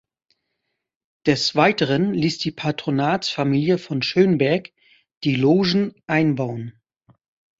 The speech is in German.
Des Weiteren ließ die Patronatsfamilie von Schönberg die Logen einbauen.